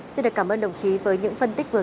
xin được cảm ơn đồng chí với những phân tích vừa